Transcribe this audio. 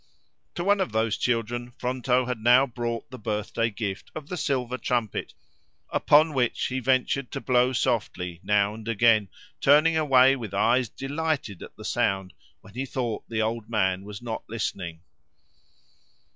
To one of those children Fronto had now brought the birthday gift of the silver trumpet, upon which he ventured to blow softly now and again, turning away with eyes delighted at the sound, when he thought the old man was not listening.